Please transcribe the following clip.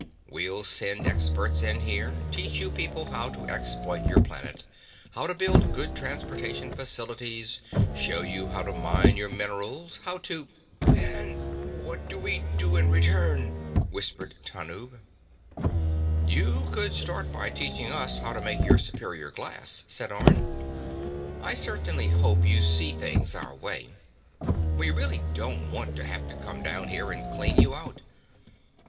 We'll send experts in here, teach you people how to exploit your planet, how to build good transportation facilities, show you how to mine your minerals, how to—" "And what do we do in return?" whispered Tanub. "You could start by teaching us how you make superior glass," said Orne. "I certainly hope you see things our way. We really don't want to have to come down there and clean you out.